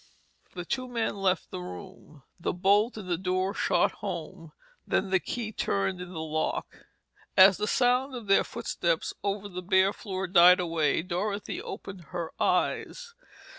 The two men left the room. The bolt in the door shot home, then the key turned in the lock; As the sound of their footsteps over the bare floor died away, Dorothy opened her eyes.